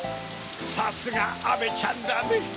さすがアメちゃんだねぇ。